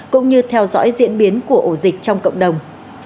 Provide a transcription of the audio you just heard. cũng như theo dõi diễn biến của ổ dịch trong cộng đồng